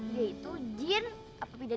dia itu jin atau bidadari